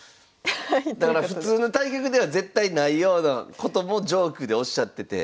だから普通の対局では絶対ないようなこともジョークでおっしゃってて。